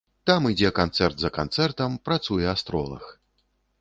Там ідзе канцэрт за канцэртам, працуе астролаг.